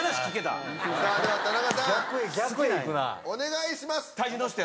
お願いします！